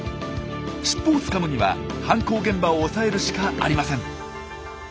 尻尾をつかむには犯行現場を押さえるしかありません。